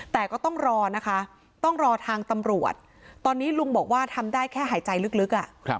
แต่ก็ต้องรอนะคะต้องรอทางตำรวจตอนนี้ลุงบอกว่าทำได้แค่หายใจลึก